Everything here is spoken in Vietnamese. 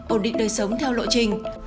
ổn định đời sống theo lộ trình